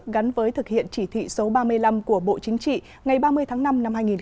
gắn với thực hiện chỉ thị số ba mươi năm của bộ chính trị ngày ba mươi tháng năm năm hai nghìn một mươi chín